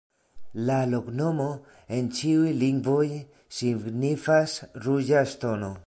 La loknomo en ĉiuj lingvoj signifas: ruĝa ŝtono.